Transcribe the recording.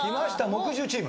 木１０チーム。